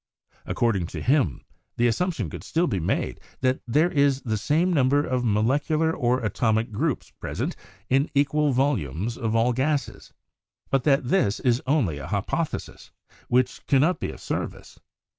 According to him, the assumption could still be made that there is the same number of molecular or atomic groups present in equal volumes of all gases ; but that this is only a hypothesis, which cannot be of ser vice.